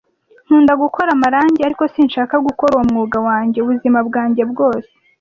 Nkunda gukora amarangi, ariko sinshaka gukora uwo mwuga wanjye ubuzima bwanjye bwose.